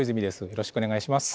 よろしくお願いします。